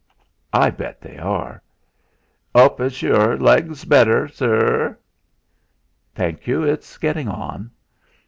"I bet they are." "'Ope as yure leg's better, zurr." "Thank you, it's getting on."